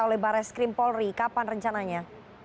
oleh barai skrim polri kapan rencananya